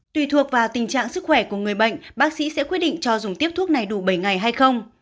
tùy thuộc vào tình trạng sức khỏe của người bệnh bác sĩ sẽ quyết định cho dùng tiếp thuốc này đủ bảy ngày hay không